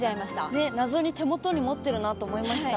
ね、謎に手元に持ってるなと思いました。